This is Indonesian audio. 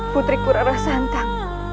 putriku rara santang